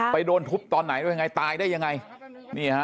ไปโดนทุบตอนไหนที่ยังไงตายได้ยังไง